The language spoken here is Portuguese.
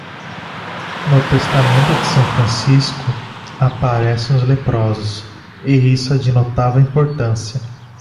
No Testamento de São Francisco, aparecem os leprosos, e isso é de notável importância.